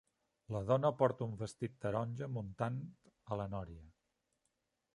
La dona porta un vestit taronja muntant a la nòria.